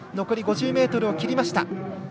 残り５０ｍを切りました。